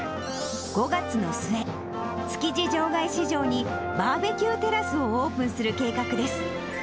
５月の末、築地場外市場にバーベキューテラスをオープンする計画です。